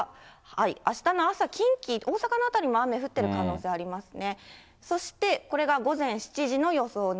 あしたの朝、近畿、大阪の辺りも雨降ってる可能性ありますね。